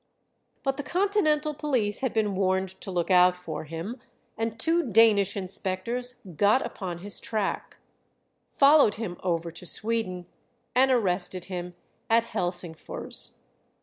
But the continental police had been warned to look out for him, and two Danish inspectors got upon his track, followed him over to Sweden, and arrested him at Helsingfors.